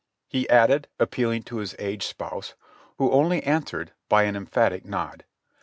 he added, appealing to his aged spouse, who only answered by an emphatic nod.